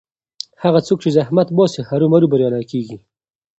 هغه څوک چې زحمت باسي هرو مرو بریالی کېږي.